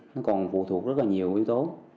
nó còn phụ thuộc rất là nhiều yếu tố